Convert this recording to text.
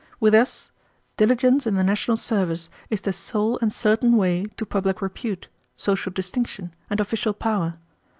With us, diligence in the national service is the sole and certain way to public repute, social distinction, and official power.